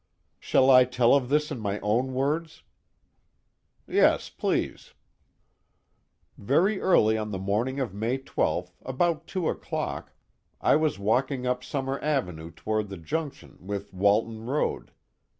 "Shall I tell of this in my own words?" "Yes, please." "Very early on the morning of May 12th, about two o'clock, I was walking up Summer Avenue toward the junction with Walton Road.